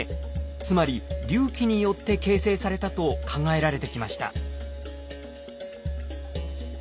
つまり隆起によって形成されたと考えられてきました。